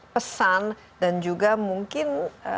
pesan dan juga mungkin